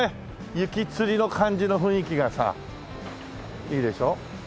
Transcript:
雪吊りの感じの雰囲気がさいいでしょねえ。